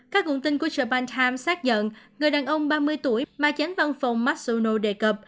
các nguồn tin của japan times xác nhận người đàn ông ba mươi tuổi mà chánh văn phòng martsuno đề cập